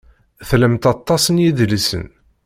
Tlamt aṭas n yidlisen.